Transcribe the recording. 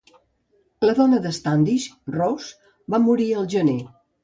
La dona de Standish, Rose, va morir al gener.